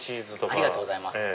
ありがとうございます。